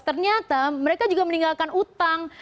ternyata mereka juga meninggalkan utang